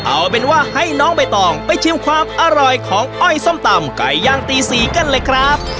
เอาเป็นว่าให้น้องใบตองไปชิมความอร่อยของอ้อยส้มตำไก่ย่างตี๔กันเลยครับ